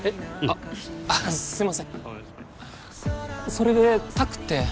あっすいませんそれで拓って？